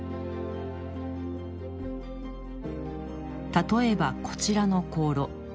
例えばこちらの香炉。